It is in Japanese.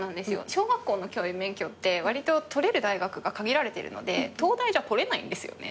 小学校の教員免許ってわりと取れる大学が限られてるので東大じゃ取れないんですよね。